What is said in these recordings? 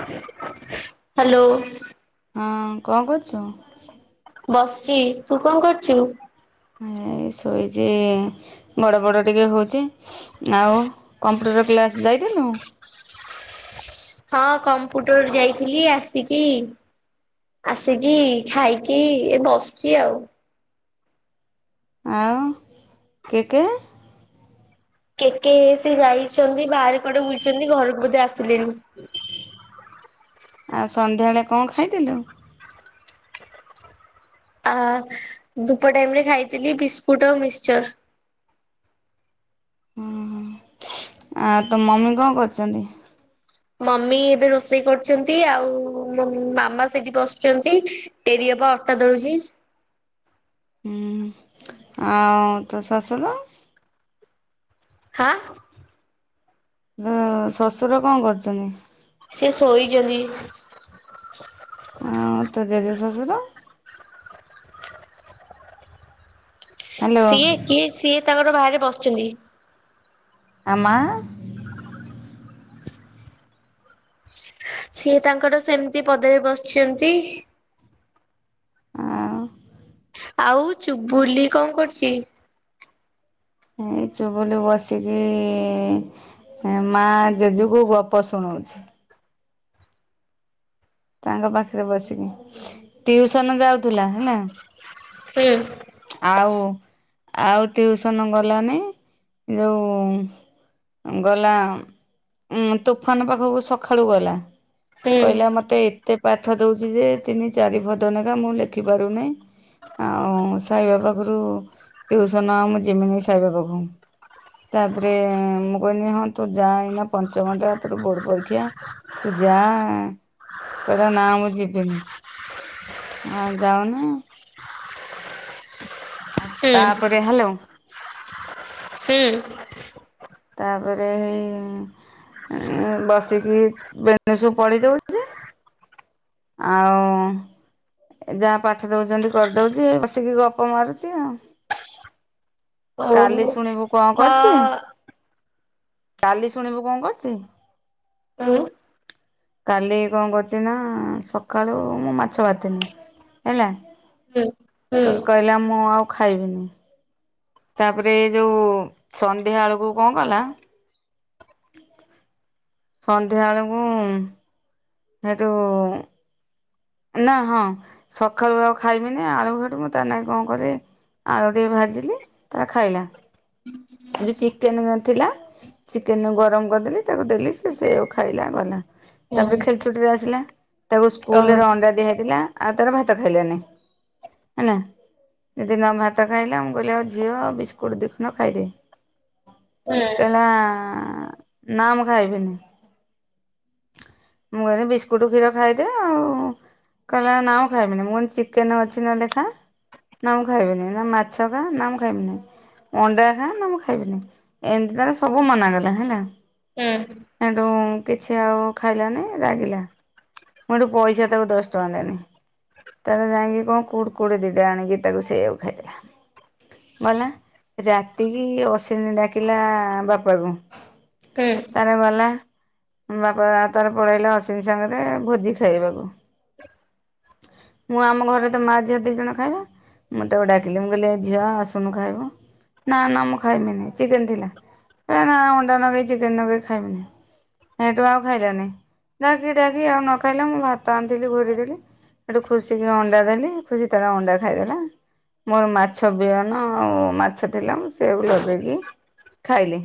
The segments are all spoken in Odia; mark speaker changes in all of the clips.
Speaker 1: ହ୍ୟାଲୋ
Speaker 2: ହଁ କଣ କରୁଛ?
Speaker 1: ବସିଛି ତୁ କଣ କରୁଛୁ?
Speaker 2: ଶୋଇଛି ବଡ ବଡ ଟିକେ ହଉଛି ଆଉ କମ୍ପ୍ୟୁଟର କ୍ଲାସ ଯାଇଥିଲୁ।
Speaker 1: ହଁ କମ୍ପୁଟର ଯାଇଥିଲି ଆସିକି ଆସିକି ଖାଇକି ଏ ବସଛି ଆଉ
Speaker 2: ଆଉ କେ କେ
Speaker 1: କେ କେେ ସେ ଯାଇଛନ୍ତି ବାହାରେ କଆଡେ ବୁଲଛନ୍ତି ଘରକୁ ବୋଧେ ଆସିଲେଣିି
Speaker 2: ଆଉ ସନ୍ଧ୍ୟାବେଳେ କଣ ଖାଇଥିଲୁ?
Speaker 1: ଆ ଧୂପ ଟାଇମ ରେ ଖାଇଥିଲି ବିସ୍କୁଟ ଆଉ ମିକ୍ଚର।
Speaker 2: ଆ ତୋ ମମି କଣ କରୁଚନ୍ତି?
Speaker 1: ମମି ଏବେ ରୋଷେଇ କରୁଚନ୍ତି, ଆଉ ମାମା ସେଇଠି ବସିଚନ୍ତି। ଟେରି ଅପା ଅଟା ଦଳୁଛି।
Speaker 2: ହୁଁ ଆଉ ତୋ ଶଶୁର?
Speaker 1: ହାଁ!
Speaker 2: ଗଁ-ଅଁ, ଶଶୁର କଣ କରୁଚନି?
Speaker 1: ସେ ଶୋଇଚନ୍ତି।
Speaker 2: ଆଁ ତ ଜେଜେ ଶ୍ୱଶୁର! ହ୍ୟାଲୋ
Speaker 1: ସିଏ କିଏ? ସିଏ ତାଙ୍କର ବାହାରେ ବସିଚନ୍ତି।
Speaker 2: ଆ, ମାଆ-ଆ?
Speaker 1: ସିଏ ତାଙ୍କର ସେମିତି ପଦାରେ ବସଚନ୍ତି।
Speaker 2: ଆଉଁ।
Speaker 1: ଆଉ ଚୁବୁଲି କଣ କରୁଚି?
Speaker 2: ଏଇ ଚୁବଲିୁଲ ବସିକି-ଇ ମାଆ, ଜେଜୁକୁ ଗପ ଶୁଣଉଛି। ତାଙ୍କ ପାଖରେ ବସିକି। ଟିଉସନ ଯାଉଥୁଲା ହେଲା।
Speaker 1: ହୁଁ।
Speaker 2: ଆଉ, ଆଉ ଟ୍ୟୁସନ୍ ଗଲାନି? ଯଉଁ ଗଲା ଉଁ ତୁଫାନ୍ ପାଖକୁ ସଖାଳୁ ଗଲା।
Speaker 1: ହୁଁ
Speaker 2: କହିଲା ମତ୍ ମତେ ଏତେ ପାଠ ଦଉଛି ଯେ, ତିନିଚାରି ଫଦନେକା ମୁଁ ଲେଖିପାରୁନେଇଁ। ଆଉଁ ସାଇବାବା ଖୁରୁ ଟ୍ୟୁସନ ଆ, ମୁଁ ଯିମିିନି ସାଇବା ପାଖୁ। ତା'ପରେ-ଏଁ, ମୁଁ କହିନି ହଁ, ତୁ ଯା ଏଇନା ପଞ୍ଚମଟା ତୋର ବୋର୍ଡ ପରୀକ୍ଷା। ତୁ ଯାଁ କହିଲା, ନାଁ ମୁଁ ଯିବିନି? ଆ ଯାଉନି। ଆ,
Speaker 1: ହୁଁ
Speaker 2: ତା'ପରେ ହାଲୋଁ!
Speaker 1: ହୁଁ।
Speaker 2: ତା'ପରେ ହେଇଁ, ଇଁ ବସିକି ବେଣୁସୁ ପଢି ଦଉ ଆଉଁ, ଯାହା ପାଠ ଦଉଛନ୍ତି କରିଦଉଛି। ଏଇ ବସିକି ଗପ ମାରୁଛି ଆଉଁ। କାଲି
Speaker 1: ଓହୋ
Speaker 2: ଶୁଣିବୁ କଣ କରିଚି?
Speaker 1: ହଁ
Speaker 2: କାଲି ଶୁଣିବୁ କଣ କରିଚି?
Speaker 1: ଉଁ।
Speaker 2: କାଲି କଣ କରୁଚି ନା! ସକାଳୁ ମୁଁ ମାଛ ବାତିନି। ହେଲା,
Speaker 1: ହୁଁ ହୁଁ
Speaker 2: କହିଲା ମୁଁ ଆଉ ଖାଇବିନି? ତା'ପରେ ଏ ଯୋଉ ସନ୍ଧ୍ୟା ଅଳକୁ କଣ କଲା? ସନ୍ଧ୍ୟା ଅଳକୁଁ ହେଠୁଁ ନା ହଁ, ସକାଳୁ ଆଉ ଖାଇବିିନି ଆଳୁ ଫାଟୁ ମୁଁ ତା ନା ଗି କଣ କଲି? ଆଳୁ ଟିକେ ଭାଜିଲି, ତାର ଖାଇଲା। ଯୋଉ ଚିକେନ୍ ଥିଲା ଚିକେନ୍ କୁ ଗରମ କରିଦେଲି, ତାକୁ ଦେଲି ସେ ସେ ଆଉ ଖାଇଲା, ଗଲା। ତା'ପରେ
Speaker 1: ହୁଁ
Speaker 2: ଖେଲଛୁଟି ରେ ଆସିଲା। ତାକୁ
Speaker 1: ଓହୋ
Speaker 2: ସ୍କୁଲରେ ଅଣ୍ଡା ଦିଆହେଇଥିଲା, ଆଉ ତାର ଭାତ ଖାଇଲାନି। ହେଲା। ଯଦି ନ ଭାତ ଖାଇଲା! ମୁଁ କହିଲି ଆଉ ଝିଅ ବିସ୍କୁଟ ଦିଖଣ୍ଡ, ଖାଇଦେ।
Speaker 1: ହୁଁ
Speaker 2: କହିଲା-ଆଁ, ନା ମୁଁ ଖାଇବିନି। ମୁଁ କହିଲି ବିସ୍କୁଟ୍ କ୍ଷୀର ଖାଇଦେ ଆଉଁ। କହିଲା ନାଁ ମୁଁ ଖାଇବିନି। ମୁଁ କହିନି ଚିକେନ୍ ଅଛି ନହେଲେ ଖା। ନାଁ ମୁଁ ଖାଇବିନିଁ। ନା ମାଛ ଖା, ନା ମୁଁ ଖାଇବିନି। ଅଣ୍ଡା ଖା ନା ମୁଁ ଖାଇବିନି ଏମିତି ତାର ସବୁ ମନାକଲା ହେଲା।
Speaker 1: ହୁଁ।
Speaker 2: ଏଠୁ କିଛି ଆଉ ଖାଇଲାନି ରାଗିଲା। ମୁଁ ଏଠୁ ପଇସା ତାକୁ ଦଶ ଟଙ୍କା ଦେନି। ତାର ଯାଇକି କଣ କୁଡ଼ କୁଡି ଦିଟା ଆଣିକି ତାକୁ ସେଇବାକୁ ଖାଇଦେଲା। ଗଲା ରାତି କିି ଅଶିନି ଡାକିଲା ବାପାକୁ
Speaker 1: ହୁଁ
Speaker 2: ତାର ଗଲା ବାପା ତାର ପଳେଇଲା ଅସିନ ସାଙ୍ଗରେ ଭୋଜି ଖାଇବାକୁ। ମୁଁ ଆମ ଘରେ ତ ମା ଝିଅ ଦି ଜଣ ଖାଇବା। ମୁଁ ତାକୁ ଡାକିଲି ମୁ କହିଲି ଝିଅ ଆସୁନୁ ଖାଇବୁ। ନା ନା ମୁଁ ଖାଇବି ନେଇଁ। ଚିକେନ ଥିଲା ଏ ନା ଅଣ୍ଡା ନଗେଇ ଚିକେନ ନଗେଇ ଖାଇମିନି। ସେଠୁ ଆଉ ଖାଇଲାନେଇ ଡାକି ଡାକି ଆଉ ନ ଖାଇଲା ମୁଁ ଭାତ ଆଣିଥିଲି ଘୁରିଦେଲି। ସେଠୁ ଖୁସିିକି ଅଣ୍ଡା ଦେଲି ଖୁସି ତାର ଅଣ୍ଡା ଖାଇଦେଲା। ମୋର ମାଛ ବିହନ ଆଉ ମାଛ ଥିଲା ମୁଁ ସେଇଆକୁ ଲଗେଇକି ଖାଇଲି।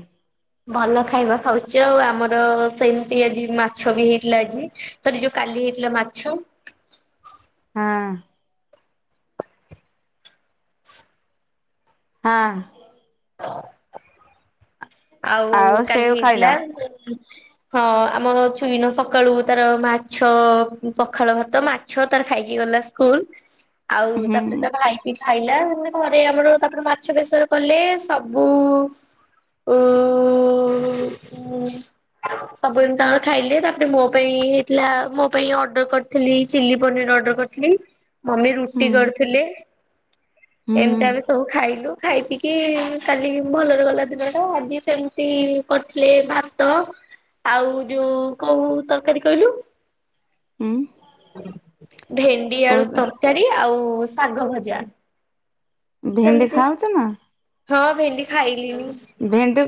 Speaker 1: ଭଲ ଖାଇବା ଖାଉଚ ଆଉ। ଆମର ସେମତି ଆଜି ମାଛ ବି ହେଇଥିଲା ଆଜି। ସରି ଯୋଉ କାଲି ହେଇଥିଲା ମାଛ।
Speaker 2: ହଁ। ହଁ।
Speaker 1: ଆଉ କାଲି
Speaker 2: ସେଉ ଖାଇଲ?
Speaker 1: ହେଇଥିଲା। ହଁ ଆମ ଛୁଇନ ସକାଳୁ ତାର ମାଛ ପଖାଳ ଭାତ ମାଛ ଛ ତାର ଖାଇକି ଗଲା ସ୍କୁଲ। ଆଉ
Speaker 2: ହୁଁ
Speaker 1: ତାପରେ ତା ଭାଇ ବି ଖାଇଲା। ମ ଘରେ ଆମର ତାପରେ ମାଛ ବେସର କଲେ ସବୁ ଉଉଉଉଉଉ ମମ ସବୁଦିନ ତାଙ୍କର ଖାଇଲେ। ତାପରେ ମୋ ପାଇଁ ହେଇଥିଲା ମୋ ପାଇଁ ଅର୍ଡର କରିଥିଲି ଚିଲି ପନିର ଅର୍ଡର କରିଥିଲି। ମମି
Speaker 2: ହୁଁ
Speaker 1: ରୁଟି କରୁଥିଲେ
Speaker 2: ହୁଁ
Speaker 1: ଏମିତି ଆମେ ସବୁ ଖାଇଲୁ। ଖାଇ ପିକି କାଲି ଭଲରେ ଗଲା ଦିନ ଟା। ଆଜି ସେମିତି କରିଥିଲେ ଭାତ ଆଉ ଯୋଉ କଉ ତରକାରୀ କହିଲୁ
Speaker 2: ଉମ।
Speaker 1: ଭେଣ୍ଡି ଆଳୁ ତରକାରୀ ଆଉ ଶାଗ ଭଜା।
Speaker 2: ଭେଣ୍ଡି
Speaker 1: ସେମତି
Speaker 2: ଖାଉଛ ନା?
Speaker 1: ହଁ ଭେଣ୍ଡି ଖାଇଲିିନି।
Speaker 2: ଭେଣ୍ଡି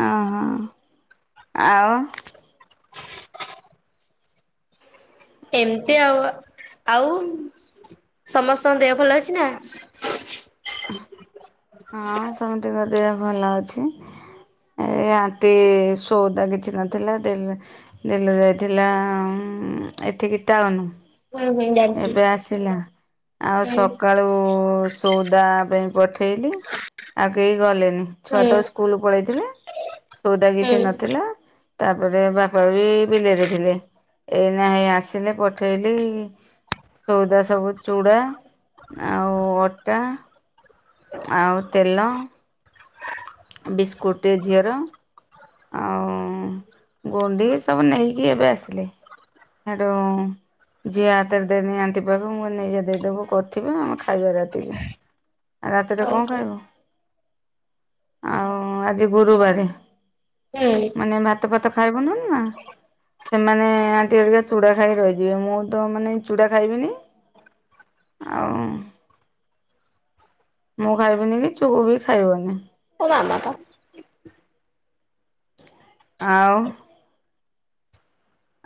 Speaker 2: ଓହୋ ଆଉ।
Speaker 1: ଏମିତି ଆଉ। ଆଉ ସମସ୍ତଙ୍କ ଦେହ ଭଲ ଅଛି ନା?
Speaker 2: ହଁ ସମତିଙ୍କ ଦେହ ଭଲ ଅଛି। ଏ ଆଣ୍ଟି ସଉଦା କିଛି ନଥିଲା ଦଲୁ ଯାଇଥିଲା ଏଠିକି ଟଉନ।
Speaker 1: ହୁଁ ହୁଁ ଜା
Speaker 2: ଏବେ ଆସିଲା। ଆଉ ସକାଳୁ ସଉଦା ପାଇଁ ପଠେଇଲି ଆଉ କେହି ଗଲେନି। ଛୁଆ
Speaker 1: ହୁଁ
Speaker 2: ତ ସ୍କୁଲ ପଳେଇଥିଲେ ସଉଦା
Speaker 1: ହୁଁ
Speaker 2: କିଛି ନଥିଲା। ତାପରେ ବାପା ବି ବିଲେରେ ଥିଲେ। ଏଇନା ହେଇ ଆସିଲେ ପଠେଇଲି ସଉଦା ସବୁ ଚୁଡ଼ା ଆଉ ଅଟା ଆଉ ତେଲ ବିସ୍କୁଟ୍ ଝିଅର ଆଉ ଗୁଣ୍ଡି ସବୁ ନେଇକି ଏବେ ଆସିଲେ ହେଠୁ ଝିଅ ହାତରେ ଦେଇନି ଆଣ୍ଟି ପାଖକୁ ମୁଁ କହିଲି ନେଇଜା ଦେଇଦବୁ କରିଥିବ ଆମେ ଖାଇବା ରାତି କି। ଆଉ ରାତିରେ କଣ ଖାଇବୁ ଆଉ ଆଜି ଗୁରୁବାରେ?
Speaker 1: ହୁଁ।
Speaker 2: ମାନେ ଭାତ ଫାତ ଖାଇବୁନୁ ନା। ସେମାନେ ଆଣ୍ଟି ଆରିକା ଚୁଡ଼ା ଖାଇ ରହିଯିବେ ମୁଁ ତ ମାନେ ଚୁଡ଼ା ଖାଇବିନି। ଆଉ ମୁଁ ଖାଇବିନି କି ଚୁଗୁ ବି ଖାଇବନି।
Speaker 1: ମୋ ମାମା ପା
Speaker 2: ଆଉ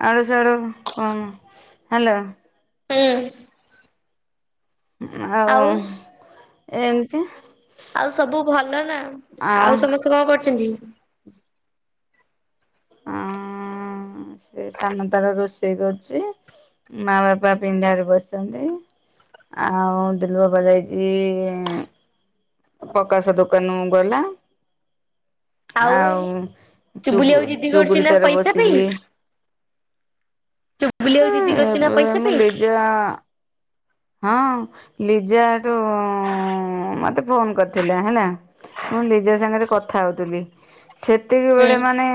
Speaker 2: ଆଡୁ ସିଆଡୁ କଣ ହ୍ୟାଲୋ।
Speaker 1: ହୁଁ
Speaker 2: ଆଉ ଏମିତି।
Speaker 1: ଆଉ ସବୁ ଭଲ ନା ଆଉ ସମସ୍ତେ କଣ କରୁଛନ୍ତି?
Speaker 2: ଆ ଆ ସେ ସାନ ତାର ରୋଷେଇ କରୁଛି। ମା ବାପା ପିଢାରେ ବସିଛନ୍ତି। ଆଉ ଦିଲୁ ବାବା ଯାଇଛି ଇଁ ପକାସ ଦୋକାନୁ ଗଲା। ଆଉ ଚୁ
Speaker 1: ଚୁବୁଲି ଆଉ ଜିଦି କରୁଛି
Speaker 2: ଚୁଗୁଲି
Speaker 1: ନା
Speaker 2: ତାର
Speaker 1: ପଇସା ପାଇଁ
Speaker 2: ବସିକି
Speaker 1: ଚୁବୁଲି
Speaker 2: ହଁ
Speaker 1: ଆଉ ଜିଦି କରୁଛି ନା
Speaker 2: ଏବେ
Speaker 1: ପଇସା
Speaker 2: ମୁଁ
Speaker 1: ପାଇଁ
Speaker 2: ଲିଜା ହଁ ଲିଜାଠୁ ଉ ମତେ ଫୋନ କରିଥିଲା ହେଲା। ମୁଁ ଲିଜା ସାଙ୍ଗରେ କଥା ହଉଥିଲି। ସେତିକି ବେଳେ ମାନେ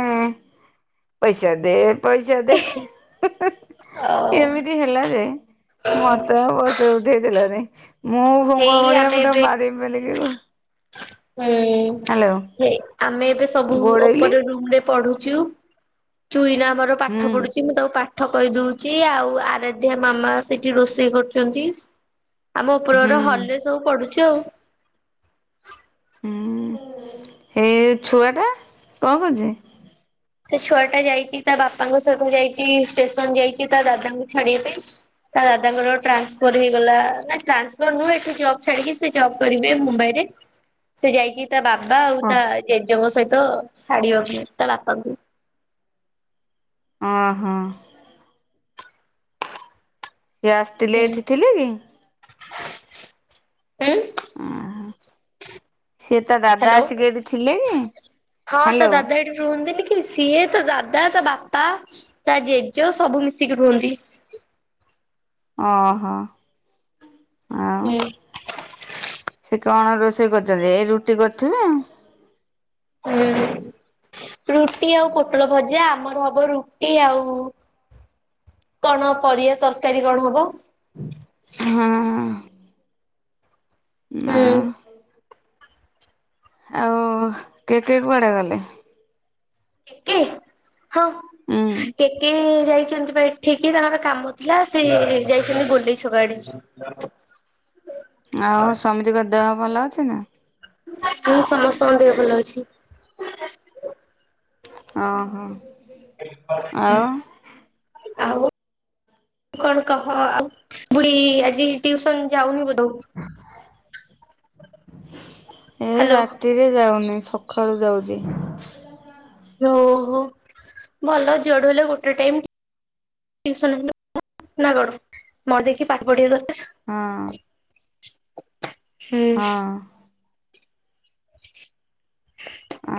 Speaker 2: ପଇସା ଦେ ପଇସା ଦେ
Speaker 1: ହୁଁ ଆଉ
Speaker 2: ଏମିତି ହେଲା ଯେ ମୋତେ ଆଉ। [inaudible] ସେ ଉଠେଇଥିଲାନି ମୁଁ ଭଙ୍ଗ
Speaker 1: ହେଇ
Speaker 2: ଭଳିଆ
Speaker 1: ଆମେ
Speaker 2: ମୁଁ ତାକୁ
Speaker 1: ଏବେ
Speaker 2: ମାରିମି ବୋଲି କି
Speaker 1: ହୁଁ ଆମେ ଏବେ ସବୁ
Speaker 2: ଗୋଡେଇଲି
Speaker 1: ଉପର ରୁମ ରେ ପଢୁଛୁ। ଚୁଇନା ଆମର ପାଠ
Speaker 2: ହୁଁ
Speaker 1: ପଢୁଛି ମୁଁ ତାକୁ ପା ଠ କହିଦେଉଛି ଆଉ ଆରାଧ୍ୟା ମାମା ସେଇଠି ରୋଷେଇ କରୁଛନ୍ତି ଆମ
Speaker 2: ହୁଁ
Speaker 1: ଉପରର ହଲରେ ସବୁ ପଢୁଚି ଆଉ।
Speaker 2: ହୁଁ ଏ ଛୁଆ ଟା କଣ କରୁଛି?
Speaker 1: ସେ ଛୁଆ ଟା ଯାଇଛି ତା ବାପାଙ୍କ ସହିତ ଯାଇଛି ଷ୍ଟେସନ ଯାଇଛି ତା ଦାଦାଙ୍କୁ ଛାଡିବା ପାଇଁ। ତା ଦାଦାଙ୍କର ଟ୍ରାନ୍ସଫର ହେଇଗଲା ନା ଟାନ୍ସଫର ନୁହେଁଠି ଜବ୍ ଛାଡିକି ସେ ଜବ କରିବେ ମୁମ୍ବାଇରେ ସେ ଯାଇକି ତା ବାବା ଆଉ
Speaker 2: ଓ
Speaker 1: ତା ଜେଜେଙ୍କ ସହିତ ଛାଡିବାକୁ ଯାଇଚି ତା ବାପାଙ୍କୁ।
Speaker 2: ଓହୋ। ସିଏ ଆସିଥିଲେ
Speaker 1: ହୁଁ।
Speaker 2: ଏଠି ଥିଲେ କି?
Speaker 1: ଉଁ
Speaker 2: ଅ ସିଏ ତା ଦାଦା
Speaker 1: ହ୍ୟାଲୋ
Speaker 2: ଆସିକି ଏଠି ଥିଲେ
Speaker 1: ହଁ ତା
Speaker 2: ହ୍ୟାଲୋ।
Speaker 1: ଦାଦା ଏଠି ରୁହନ୍ତିନି କି ସିଏ, ତା ଦାଦା, ତା ବାପା, ତା ଜେଜ ସବୁ ମିଶିକି ରୁହନ୍ତି।
Speaker 2: ଓହୋ ଆଉ
Speaker 1: ହୁଁ।
Speaker 2: ସେ କଣ ରୋଷେଇ କରୁଚନ୍ତି ଏଇ ରୁଟି କରିଥିବେ ଆଉ।
Speaker 1: ହୁଁ ରୁଟି ଆଉ ପୋଟଳ ଭଜା ଆମର ହବ ରୁ ଟି ଆଉ କଣ ପରିବା ତରକାରୀ କଣ ହବ।
Speaker 2: ହୁଁ ହଁ। ନା
Speaker 1: ହୁଁ
Speaker 2: ଆଉ କେକେ କୁଆଡେ ଗଲେ?
Speaker 1: କେକେ ହଁ
Speaker 2: ହୁଁ
Speaker 1: କେକେ ଯାଇଛନ୍ତି ପା ଏ ଠିକି ତାଙ୍କର କାମ ଥିଲା ସେ ଯାଇଛନ୍ତି ଗୋଲେଇ ଛକ ଆଡେ।
Speaker 2: ଆଉ ସମିତିଙ୍କର ଦେହ ଭଲ ଅଛି ନା।
Speaker 1: ହୁଁ ସମସ୍ତଙ୍କର ଦେହ ଭଲ ଅଛି।
Speaker 2: ଅ ହଁ।
Speaker 1: ଆଉ କଣ କହ ଆଉ [unintelligible] ଆଜି ଟିଉସନ ଯାଉନି ବୋଧୁ
Speaker 2: ଏ
Speaker 1: ହ୍ୟାଲୋ
Speaker 2: ରାତିରେ ଯାଉନି ସ ଖାଳୁ ଯାଉଚି।
Speaker 1: ଓହୋ ଭଲ ଯୁଆଡୁ ହେଲେ ଗୋଟେ ଟାଇମ୍ ଟିଉସନ [inaudible] ନା କଣ ନ ଦେଖି ପାଠ ପଢିବା ଦରକାର।
Speaker 2: ହଁ।
Speaker 1: ହୁଁ।
Speaker 2: ହଁ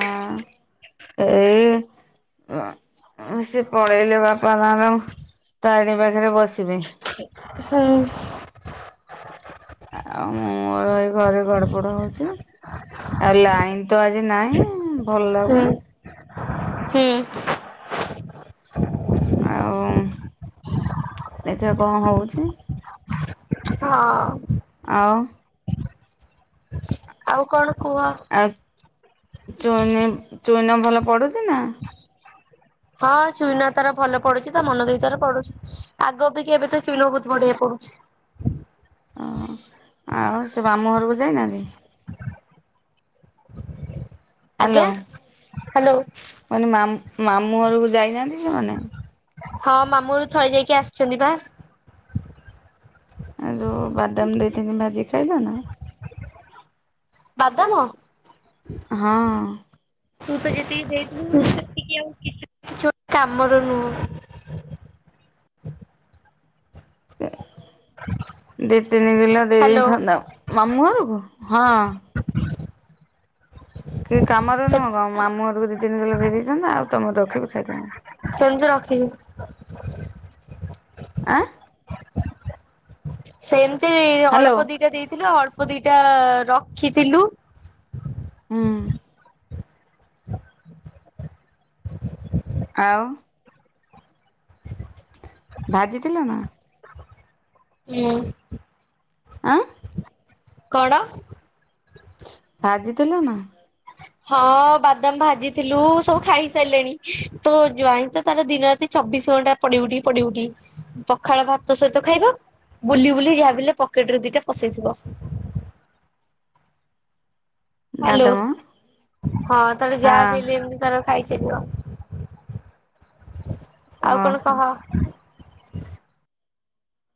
Speaker 2: ଆଉ ଏ ଏ ଅ ଆ ଆଉଁ ସିଏ ପଳେଇଲେ ବାପା ମା [unintelligible] ତାରି ପାଖେରେ ବସିବେ।
Speaker 1: ହୁଁ।
Speaker 2: ଆ ଆଉ ମୁଁ ମୋର ଏଇ ଘରେ ଗଡ ପଡ ହଉଛି। ଆଉ ଲାଇନ୍ ତ ଆଜି ନାହିଁ ଭଲ
Speaker 1: ହୁଁ
Speaker 2: ଲାଗୁନି।
Speaker 1: ହୁଁ।
Speaker 2: ଆଉ ଦେଖିବା କଣ ହଉଛି।
Speaker 1: ହଁ।
Speaker 2: ଆଉ
Speaker 1: ଆଉ କଣ କୁହ।
Speaker 2: ଆଉ ଚୁଇଁ ଚୁଇନ ଭଲ ପଢୁଚି ନା।
Speaker 1: ହଁ ଚୁଇନ ତାର ଭଲ ପଢୁଚି ତା ମନ ଦେଇ ତାର ପଢୁଛି। ଆଗ ଅପେକ୍ଷା ଏବେ ତ ଚୁଇନ ବୋହୁତ ବଢିଆ ପଢୁଛି।
Speaker 2: ଆଉଁ ଆଉ ସେ ବାମୁଁ ଘରୁକୁ ଯାଇନାଆନ୍ତି। ହାଲୋ
Speaker 1: ଆଜ୍ଞା
Speaker 2: ମୁଁ
Speaker 1: ହ୍ୟାଲୋ
Speaker 2: କହିନି ମାମ୍ ମାମୁଁ ଘରୁକୁ ଯାଇନାହାନ୍ତି ସେମାନେ।
Speaker 1: ହଁ ମାମୁଁ ଘରୁ ଥରେ ଯାଇକି ଆସିଛନ୍ତି ପା।
Speaker 2: ଆଉ ଯୋଉ ବାଦାମ ଦେଇଥିନି ଭାଜିକି ଖାଇଲ ନା।
Speaker 1: ବାଦାମ
Speaker 2: ହଁ।
Speaker 1: ତୁ ତ ଯେତିକି ଦେଇଥିଲୁ ସେ ତିକି ଆଉ କିଛି କିଛି ଗୋ କାମର ନୁହଁ।
Speaker 2: ଏ ଦି ତିନି କିଲ ଦେଇ
Speaker 1: ହ୍ୟାଲୋ
Speaker 2: ଦେଇଥାନ୍ତ ମାମୁଁ ଘରୁକୁ ହଁ। କି କାମରେ
Speaker 1: ସେ
Speaker 2: ନୁହଁ ବା ମାମୁଁ ଘରୁକୁ ଦି ତିନି କିଲ ଦେଇେ ଦେଇଥାନ୍ତ ଆଉ ତମର ରଖି ବି ଖାଇଥାନ୍ତ।
Speaker 1: ସେମତି ରଖିନି।
Speaker 2: ଆଁ
Speaker 1: ସେମତି
Speaker 2: ହ୍ୟାଲୋ
Speaker 1: ଅଳ୍ପ ଦିଟା ଦେଇଥିଲୁ ଅଳ୍ପ ଦିଟା ରଖିଥିଲୁ।
Speaker 2: ହୁଁ। ଆଉ ଭାଜିଥିଲ ନା।
Speaker 1: ଉଁ।
Speaker 2: ଆଁ
Speaker 1: କଣ?
Speaker 2: ଭାଜିଥିଲା ନା।
Speaker 1: ହଁ ବାଦାମ ଭାଜିଥିଲୁ ସବୁ ଖାଇସାରଲେଣି ତୋ ଜ୍ବାଇଁ ତ ତାର ଦିନ ରାତି ଚବିଶ ଘଣ୍ଟା ପଡି ଉଠି ପଡି ଉଠି ପଖାଳ ଭାତ ସହିତ ଖାଇବ, ବୁଲି ବୁଲି ଯାହାବି ହେଲେ ପକେଟରେ ଦିଟା ପସେଇଥିବ। ହ୍ୟାଲୋ,
Speaker 2: ବାଦାମ
Speaker 1: ହଁ ତାର
Speaker 2: ହଁ
Speaker 1: ଯାହା ବି ହେଲେ ଏମତି ତାର ଖାଇ ଚାଲିବ, ଆଉ କଣ
Speaker 2: ଓହୋ।
Speaker 1: କହ।